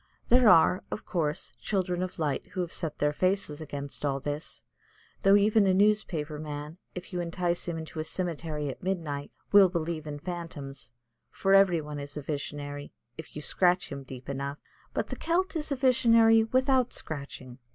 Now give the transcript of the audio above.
There are, of course, children of light who have set their faces against all this, though even a newspaper man, if you entice him into a cemetery at midnight, will believe in phantoms, for every one is a visionary, if you scratch him deep enough. But the Celt is a visionary without scratching.